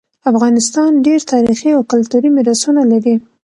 افغانستان ډیر تاریخي او کلتوری میراثونه لري